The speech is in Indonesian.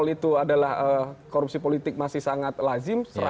hal itu adalah korupsi politik masih sangat lazim